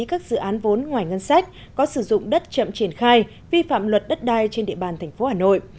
các dự án vốn ngoài ngân sách có sử dụng đất chậm triển khai vi phạm luật đất đai trên địa bàn tp hà nội